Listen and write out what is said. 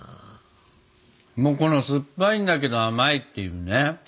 もうこの酸っぱいんだけど甘いっていうね。